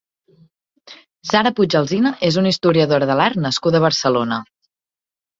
Sara Puig Alsina és una historiadora de l'art nascuda a Barcelona.